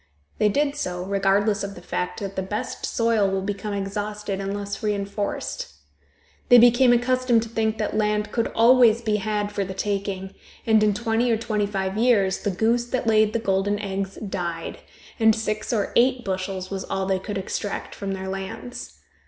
They did so, regardless of the fact that the best soil will become exhausted unless reenforced. They became accustomed to think that land could always be had for the taking, and in twenty or twenty five years, the goose that laid the golden eggs died, and six or eight bushels was all they could extract from their lands.